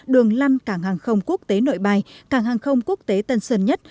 đường lăn cảng hàng không quốc tế nội bài cảng hàng không quốc tế tân sơn nhất